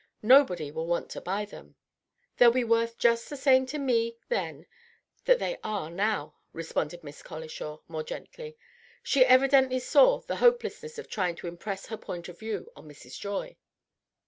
Nobody will want to buy them." "They'll be worth just the same to me then that they are now," responded Miss Colishaw, more gently. She evidently saw the hopelessness of trying to impress her point of view on Mrs. Joy.